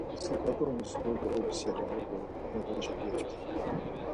Sap̌at̆oniş ordo ebiselare do noğaşa geptare.